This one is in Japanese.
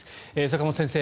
坂元先生